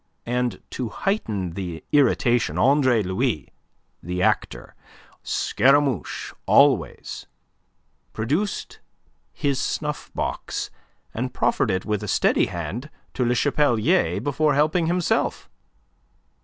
And to heighten the irritation, Andre Louis the actor, Scaramouche always produced his snuffbox, and proffered it with a steady hand to Le Chapelier before helping himself.